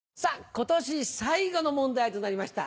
今年最後の問題となりました。